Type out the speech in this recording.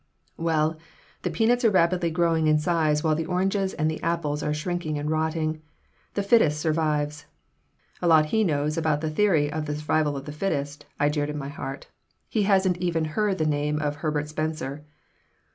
"Well, the peanuts are rapidly growing in size while the oranges and the apples are shrinking and rotting. The fittest survives." ("A lot he knows about the theory of the survival of the fittest!" I jeered in my heart. "He hasn't even heard the name of Herbert Spencer.")